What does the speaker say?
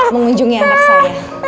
mengunjungi anak saya